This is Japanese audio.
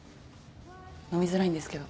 飲みづらいんですけど。